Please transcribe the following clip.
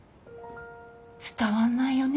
伝わんないよね